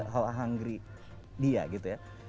how hungry dia gitu ya